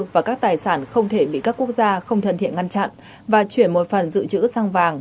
và các tài sản không thể bị các quốc gia không thân thiện ngăn chặn và chuyển một phần dự trữ sang vàng